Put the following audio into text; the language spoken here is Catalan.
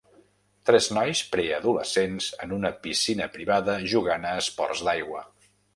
Tres nois preadolescents en una piscina privada jugant a esports d'aigua.